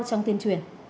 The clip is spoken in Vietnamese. trong tuyên truyền